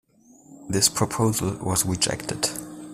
This proposal was rejected.